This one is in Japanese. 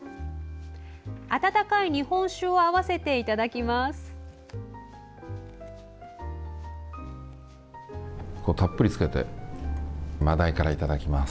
温かい日本酒を合わせていただきます。